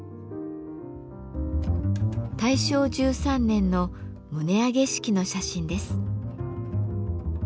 大正１３年の棟上げ式の写真です。